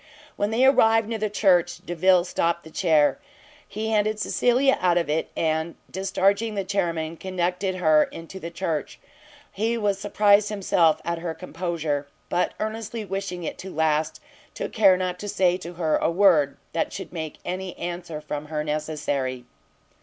When they arrived near the church, Delvile stopt the chair. He handed Cecilia out of it, and discharging the chairmen, conducted her into the church. He was surprised himself at her composure, but earnestly wishing it to last, took care not to say to her a word that should make any answer from her necessary.